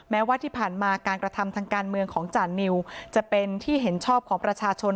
แม้ว่าที่ผ่านมาการกระทำทางการเมืองของจานิวจะเป็นที่เห็นชอบของประชาชน